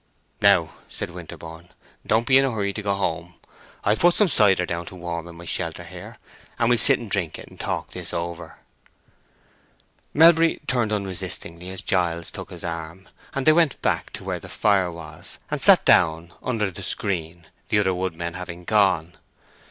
"Now," said Winterborne, "don't be in a hurry to go home. I've put some cider down to warm in my shelter here, and we'll sit and drink it and talk this over." Melbury turned unresistingly as Giles took his arm, and they went back to where the fire was, and sat down under the screen, the other woodmen having gone.